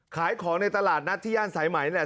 ขายของในตลาดนัดที่ย่านสายไหมเนี่ย